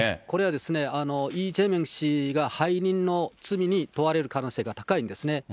これはイ・ジェミョン氏が背任の罪に問われる可能性が高いんですね。